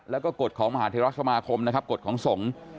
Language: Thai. แล้วก็กฎของมหาเทราสมาคมนะครับกฎของสงฆ์